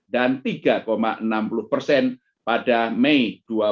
dan tiga enam puluh pada mei dua ribu dua puluh satu